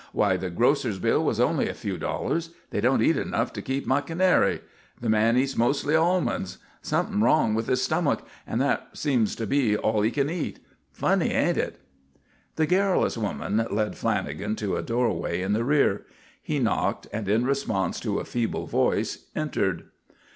Why, the grocer's bill was only a few dollars. They don't eat enough to keep my canary. The man eats mostly almonds. Something wrong with his stomach, and that seems to be all he can eat. Funny, ain't it?" The garrulous woman led Lanagan to a doorway in the rear. He knocked and, in response to a feeble voice, entered.